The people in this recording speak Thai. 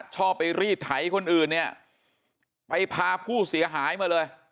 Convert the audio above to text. ชอบไปรีดไถคนอื่นเนี่ยไปพาผู้เสียหายมาเลย